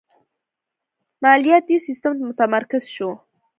مالیاتی سیستم متمرکز شو.